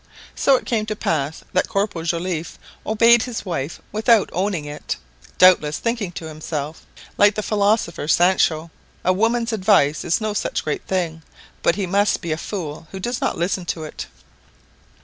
So it came to pass, that Corporal Joliffe obeyed his wife without owning it, doubtless thinking to himself, like the philosopher Sancho, "a woman's advice is no such great thing, but he must be a fool who does not listen to it."